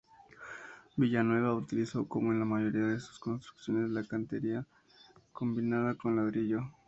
Villanueva utilizó como en la mayoría de sus construcciones la cantería combinada con ladrillo.